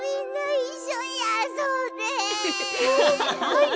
はい。